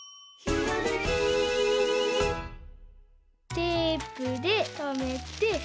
テープでとめて。